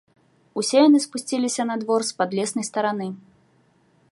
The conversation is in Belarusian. Усе яны спусціліся на двор з падлеснай стараны.